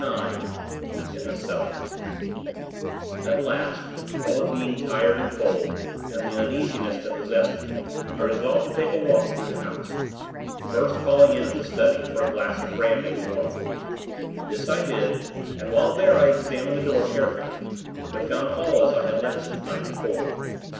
IX IN THE CELLARS At last, what with being tired and cold, and the uneasiness that possessed me, I resolved to take a walk through the house; first calling in at the study, for a glass of brandy to warm me. This, I did, and, while there, I examined the door, carefully; but found all as I had left it the night before.